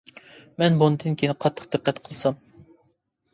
مەن بۇندىن كېيىن قاتتىق دىققەت قىلسام.